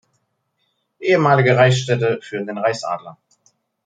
Ehemalige Reichsstädte führen den Reichsadler.